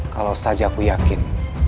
kalau saja aku yakin